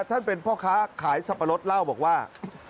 ท่านเป็นพ่อค้าขายสับปะรดเล่าบอกว่า